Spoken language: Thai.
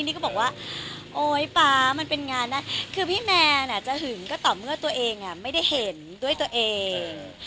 นี่ก็บอกว่าโอ๊ยป๊ามันเป็นงานนะคือพี่แมนจะหึงก็ต่อเมื่อตัวเองไม่ได้เห็นด้วยตัวเอง